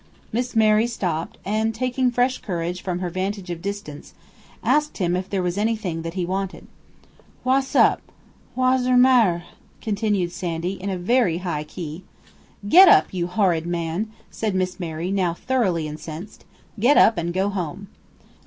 Miss Mary stopped, and, taking fresh courage from her vantage of distance, asked him if there was anything that he wanted. "Wass up? Wasser maar?" continued Sandy, in a very high key. "Get up, you horrid man!" said Miss Mary, now thoroughly incensed; "get up, and go home."